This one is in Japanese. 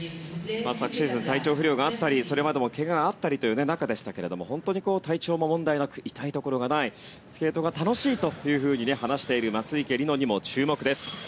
昨シーズン体調不良があったりそれまでも怪我があったりという中でしたが本当に体調も問題なく痛いところがないスケートが楽しいと話している松生理乃にも注目です。